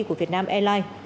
của việt nam airline